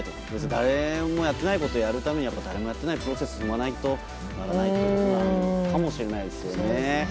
誰もやってないことをやるために誰もやってないプロセスを踏まないとってことかもしれないですね。